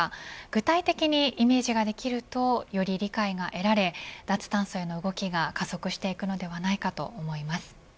具体的にイメージができるとより理解が得られ脱炭素への動きが加速していくのではないかと思います。